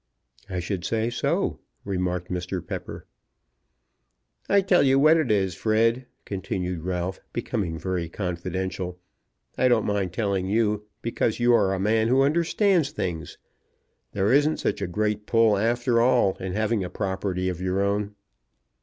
"I should say so," remarked Mr. Pepper. "I tell you what it is, Fred," continued Ralph, becoming very confidential. "I don't mind telling you, because you are a man who understands things. There isn't such a great pull after all in having a property of your own."